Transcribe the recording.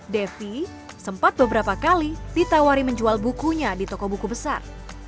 devi sempat beberapa kali ditawari menjual bukunya di toko buku besar